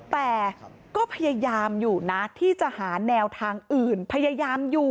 แต่ก็พยายามอยู่นะที่จะหาแนวทางอื่นพยายามอยู่